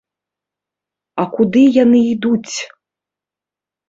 А куды яны ідуць?